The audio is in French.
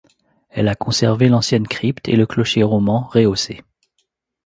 Elle a conservé l'ancienne crypte et le clocher roman, rehaussé.